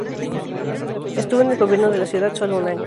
Estuvo en el gobierno de la ciudad sólo un año.